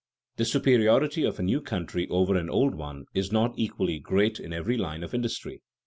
_ The superiority of a new country over an old one is not equally great in every line of industry.